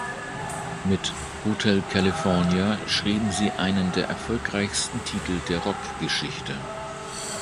Mit "Hotel California" schrieben sie einen der erfolgreichsten Titel der Rockgeschichte.